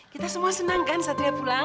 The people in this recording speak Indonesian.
kita semua senang kan satria pulang